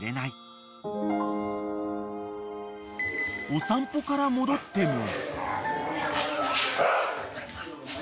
［お散歩から戻っても］